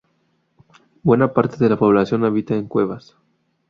Buena parte de la población habita en cuevas.